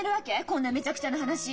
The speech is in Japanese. こんなめちゃくちゃな話。